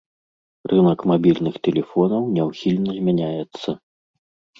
Рынак мабільных тэлефонаў няўхільна змяняецца.